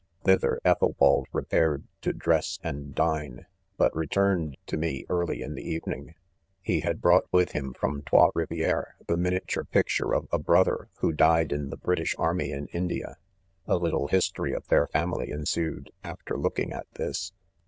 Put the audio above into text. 55 Thither EthelwaM repaired "to dress and dine, but returned to me early in the evening. Mile) had brought with him from Trots Riv ieres the miniature picture of a brother, who died in the British army in India. ' A little his tory of their, family ensued after looking at this.